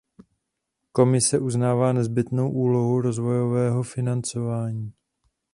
Komise uznává nezbytnou úlohu rozvojového financování.